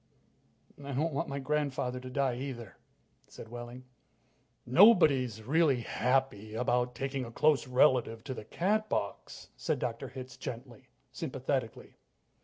"I don't want my grandfather to die, either," said Wehling. "Nobody's really happy about taking a close relative to the Catbox," said Dr. Hitz gently, sympathetically.